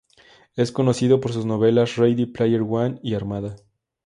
Es conocido por sus novelas "Ready Player One" y "Armada".